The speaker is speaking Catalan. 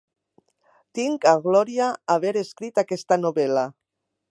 Tinc a glòria haver escrit aquesta novel·la.